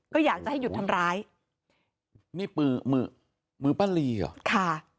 ก็อยากจะให้หยุดทำร้ายนี่มือมือมือป้าลีเหรอค่ะ